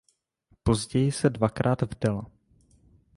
Později se dvakrát vdala.